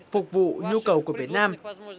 phục vụ nhu cầu của việt nam